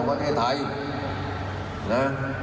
เหนื่อยละ